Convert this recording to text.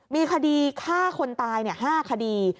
มีคดีฆ่าคนตายเนี่ย๕คดี